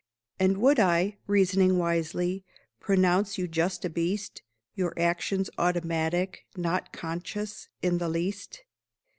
And would I, reasoning wisely, pronounce you just a beast? Your actions "automatic," not "conscious" in the least?